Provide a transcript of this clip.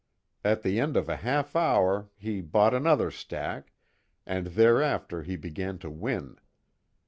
At the end of a half hour he bought another stack, and thereafter he began to win.